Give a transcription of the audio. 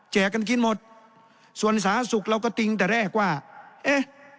กันกินหมดส่วนสาธารณสุขเราก็ติ้งแต่แรกว่าเอ๊ะ